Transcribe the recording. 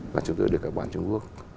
và chúng tôi được ở quản trung quốc